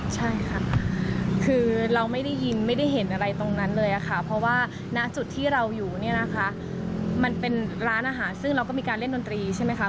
ใช่ค่ะคือเราไม่ได้ยินไม่ได้เห็นอะไรตรงนั้นเลยค่ะเพราะว่าณจุดที่เราอยู่เนี่ยนะคะมันเป็นร้านอาหารซึ่งเราก็มีการเล่นดนตรีใช่ไหมคะ